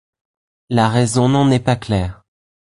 La raison n'en est pas claire.